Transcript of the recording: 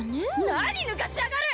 何ぬかしやがる！